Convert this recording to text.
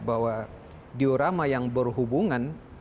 bahwa diorama yang berhubungan